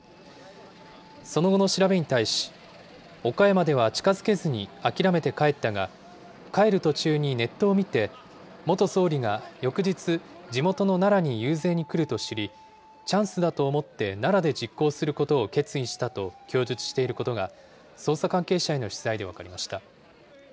その後の調べに対し、岡山では近づけずに諦めて帰ったが、帰る途中にネットを見て、元総理が翌日、地元の奈良に遊説に来ると知り、チャンスだと思って、奈良で実行することを決意したと供述していることが、捜査関係者への取材で分かりました。